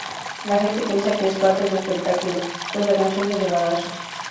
La gente piensa que es parte del espectáculo, pues la canción es de balazos.